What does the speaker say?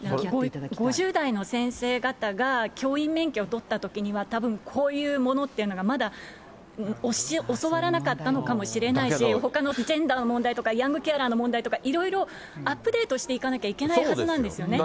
５０代の先生方が教員免許を取ったときには、たぶん、こういうものっていうのがまだ教わらなかったのかもしれないし、ほかのジェンダーの問題とか、ヤングケアラーの問題とか、いろいろアップデートしていかなきゃいけないはずなんですよね。